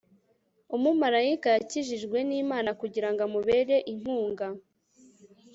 umumarayika yakijijwe n'imana kugirango amubere inkunga